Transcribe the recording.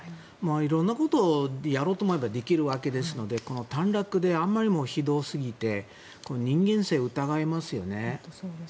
色んなことをやろうと思えばできるわけですのでこの短絡であまりにもひどすぎて人間性を疑いますよね。